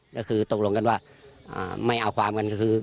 ก็คือตกลงกันว่าไม่เอาความกันก็คือ